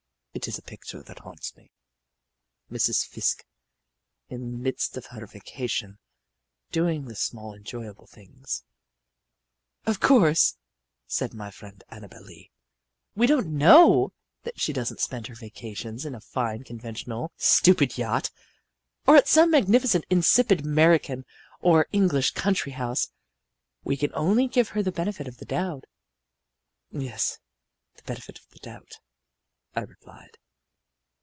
It is a picture that haunts me Mrs. Fiske in the midst of her vacation doing the small enjoyable things. "Of course," said my friend Annabel Lee, "we don't know that she doesn't spend her vacations in a fine, conventional, stupid yacht, or at some magnificent, insipid American or English country house. We can only give her the benefit of the doubt." "Yes, the benefit of the doubt," I replied.